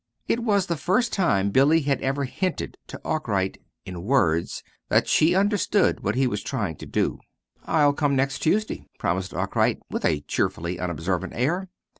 It was the first time Billy had ever hinted to Arkwright, in words, that she understood what he was trying to do. "I'll come next Tuesday," promised Arkwright, with a cheerfully unobservant air.